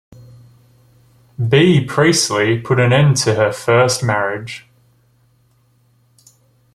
B. Priestley, put an end to her first marriage.